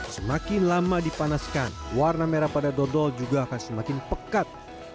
semakin lama dipanaskan warna merah pada dodol juga akan semakin pekat